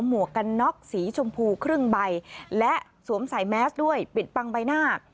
หวกกันน็อกสีชมพูครึ่งใบและสวมใส่แมสด้วยปิดบังใบหน้า